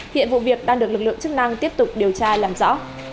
hiện vụ việc đang được lực lượng chức năng tiếp tục điều tra làm rõ